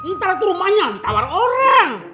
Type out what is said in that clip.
ntar itu rumahnya ditawar orang